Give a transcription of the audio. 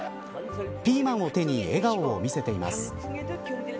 ピーマンを手に笑顔を見せています。